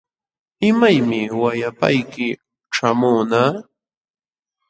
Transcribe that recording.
¿Imaymi wayapayki ćhaamunqa?